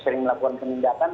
sering melakukan penindakan